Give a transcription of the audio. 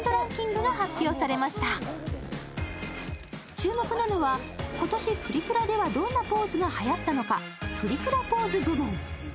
注目なのは今年プリクラではどんなポーズがはやったのかプリクラポーズ部門。